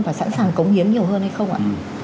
và sẵn sàng cống hiến nhiều hơn hay không ạ